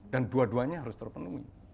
dan dua duanya harus terpenuhi